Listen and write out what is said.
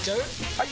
・はい！